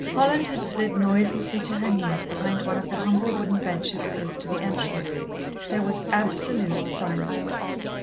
Holland had slid noiselessly to her knees behind one of the humble wooden benches close to the entrance. There was absolute silence.